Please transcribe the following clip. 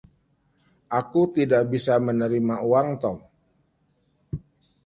Aku tidak bisa menerima uang Tom.